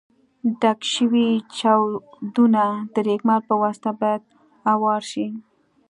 ډک شوي چاودونه د رېګمال په واسطه باید اوار شي.